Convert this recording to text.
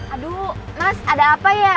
aduh mas ada apa ya